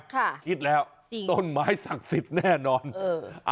คิดแล้วต้นไม้ศักดิ์สิทธิ์แน่นอนเออ